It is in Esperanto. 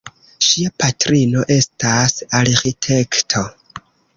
Ŝia patrino estas arĥitekto.